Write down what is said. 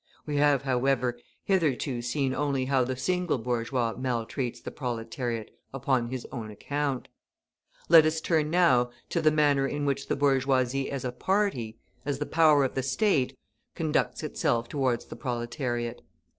We have, however, hitherto seen only how the single bourgeois maltreats the proletariat upon his own account. Let us turn now to the manner in which the bourgeoisie as a party, as the power of the State, conducts itself towards the proletariat.